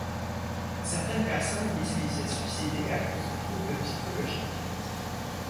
Certaines personnes disent qu'il s'est suicidé à cause de troubles psychologiques.